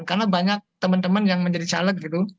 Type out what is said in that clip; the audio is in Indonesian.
karena banyak teman teman yang menjadi caleg gitu